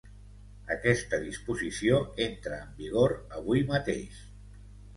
Aquesta disposició entra en vigor avui mateix.